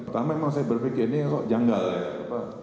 pertama memang saya berpikir ini kok janggal ya